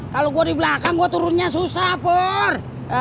kalau gue di belakang gue turunnya susah por